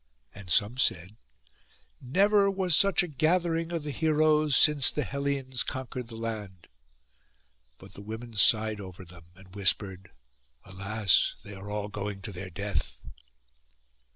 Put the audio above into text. And some said, 'Never was such a gathering of the heroes since the Hellens conquered the land.' But the women sighed over them, and whispered, 'Alas! they are all going to their death!